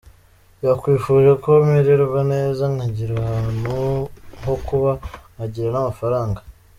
Yakwifuje ko mererwa neza, nkagira ahantu ho kuba, nkagira n’amafaranga.